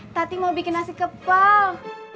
tati mau bikin nasi kepal